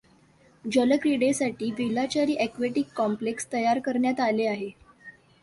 जलक्रिडेसाठी Velachery aquatic complex तयार करण्यात आले आहे.